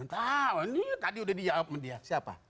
tadi udah dijawabin dia